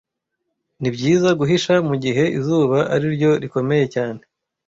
Nibyiza guhisha mugihe izuba ariryo rikomeye cyane